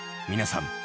皆さん